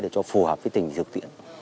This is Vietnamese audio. để cho phù hợp với tình thực tiện